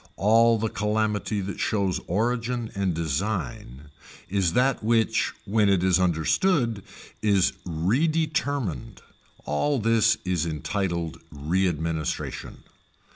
All the calamity that shows origin and design is that which when it is understood is redetermined all this is entitled readministration.